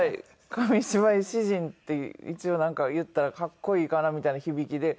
紙芝居詩人って一応なんか言ったらかっこいいかなみたいな響きで。